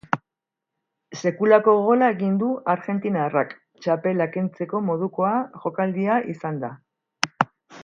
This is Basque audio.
Sekulako gola egin du argentinarrak, txapela kentzeko moduko jokaldia izan da.